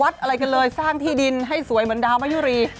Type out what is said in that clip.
อะไรกันเลยสร้างที่ดินให้สวยเหมือนดาวมะยุรี